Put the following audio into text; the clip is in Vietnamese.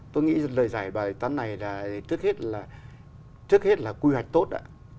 tôi nghĩ lời giải bài tán này trước hết là quy hoạch tốt